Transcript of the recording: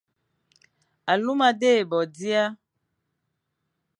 Aluma dé bo dia,